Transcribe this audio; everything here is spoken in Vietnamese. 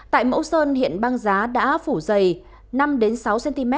tại mẫu sơn hiện băng giá đã phủ dày năm sáu độ c